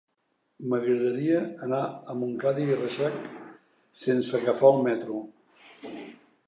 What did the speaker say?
M'agradaria anar a Montcada i Reixac sense agafar el metro.